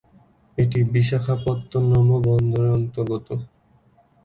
এটি বিশাখাপত্তনম বন্দরের অন্তর্গত।